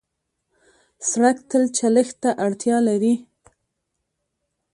سړک تل چلښت ته اړتیا لري.